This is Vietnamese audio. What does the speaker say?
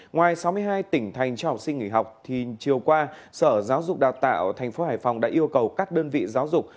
ngoài sáu mươi hai tỉnh thành cho học sinh nghỉ học thì chiều qua sở giáo dục đào tạo tp hải phòng đã yêu cầu các đơn vị giáo dục